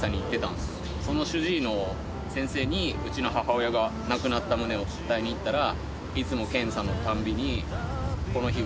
その主治医の先生にうちの母親が亡くなった旨を伝えに言ったら。